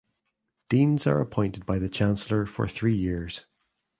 Deans are appointed by the chancellor for three years.